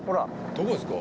どこですか？